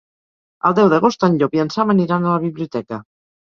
El deu d'agost en Llop i en Sam aniran a la biblioteca.